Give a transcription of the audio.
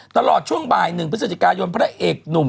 ตลอดช่วงบ่าย๑พฤศจิกายนพระเอกหนุ่ม